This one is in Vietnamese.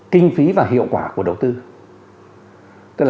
kinh phí và hiệu quả của đầu tư